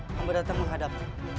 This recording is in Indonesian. kami datang menghadap